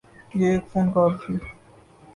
یہ ایک phone call تھی۔